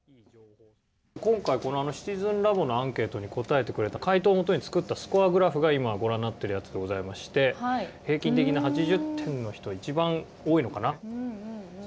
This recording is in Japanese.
今回、シチズンラボのアンケートに答えてくれた回答をもとに作ったスコアグラフが、今ご覧になっているものでございまして、平均的な８０点の人、一番多いのかな。